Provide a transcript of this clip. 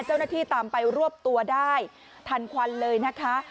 เจ้าหน้าที่ตามไปรวบตัวได้ทันควันเลยนะคะ